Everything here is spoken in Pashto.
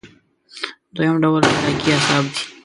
دویم ډول حرکي اعصاب دي.